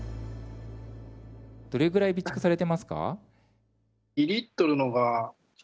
どれぐらい備蓄されてますか？